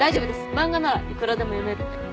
漫画ならいくらでも読めるんで。